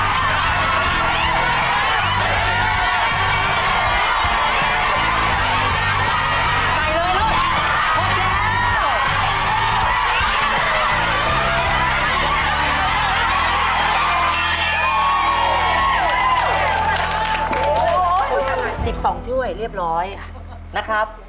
สิบสองถ้วยเรียบร้อยนะครับ